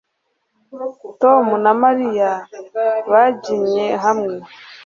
Tom na Mariya babyinnye hamwe